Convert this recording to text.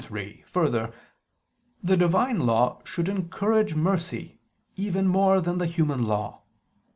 3: Further, the Divine Law should encourage mercy more even than the human law.